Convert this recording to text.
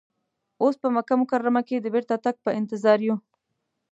اوس په مکه مکرمه کې د بیرته تګ په انتظار یو.